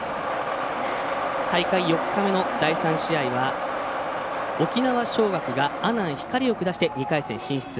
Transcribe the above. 大会４日目の第３試合は沖縄尚学が阿南光を下して２回戦進出。